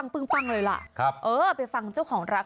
ปึ้งเลยล่ะเออไปฟังเจ้าของรัก